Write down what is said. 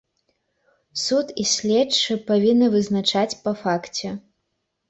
Суд і следчы павінны вызначаць па факце.